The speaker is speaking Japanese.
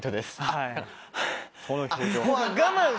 はい。